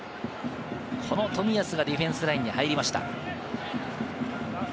冨安がディフェンスラインに入りました。